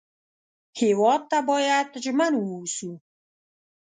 هېواد ته باید ژمن و اوسو